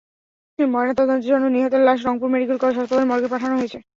ময়নাতদন্তের জন্য নিহতের লাশ রংপুর মেডিকেল কলেজ হাসপাতালের মর্গে পাঠানো হয়েছে।